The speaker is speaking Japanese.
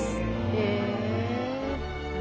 へえ。